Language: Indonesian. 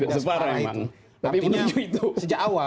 tapi menurutmu itu